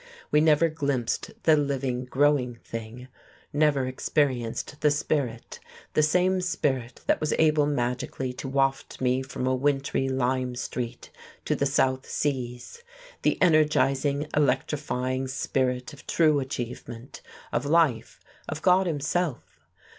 We never glimpsed the living, growing thing, never experienced the Spirit, the same spirit that was able magically to waft me from a wintry Lyme Street to the South Seas, the energizing, electrifying Spirit of true achievement, of life, of God himself.